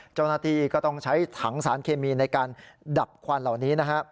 เจ้าหน้าที่ก็ต้องใช้ถังสารเคมีในการดับควันเหล่านี้นะครับ